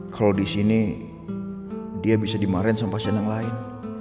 kalo disini dia bisa dimarain sama pasien yang lain